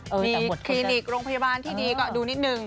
มีคลินิกโรงพยาบาลที่ดีก็ดูนิดนึง